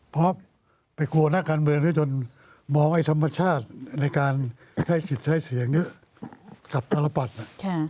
เพราะไปกลัวนักการเมืองเนี่ยจนมองไอ้ธรรมชาติในการใช้ผิดใช้เสียงเนี่ยกลับตลบัดนะ